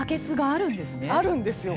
あるんですよ。